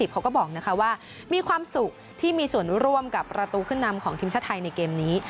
เขาก็บอกว่ามีความสุขที่มีส่วนร่วมกับประตูขึ้นนำของทีมชาติไทยในเกมนี้